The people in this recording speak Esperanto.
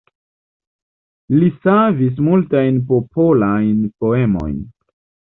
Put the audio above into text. Li savis multajn popolajn poemojn.